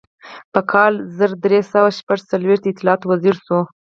په کال زر درې سوه شپږ څلویښت د اطلاعاتو وزیر شو.